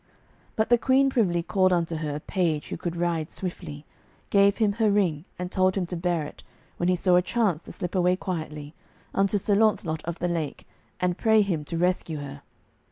But the Queen privily called unto her a page who could ride swiftly, gave him her ring, and told him to bear it, when he saw a chance to slip away quietly, unto Sir Launcelot of the Lake, and pray him to rescue her.